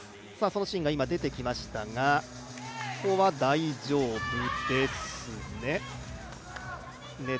そのシーンが今出てきましたが、ここは大丈夫ですね。